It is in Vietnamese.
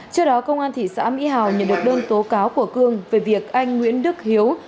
trước đó công an thị xã mỹ hào nhận được đơn tố cáo của cương về việc anh nguyễn đức hiếu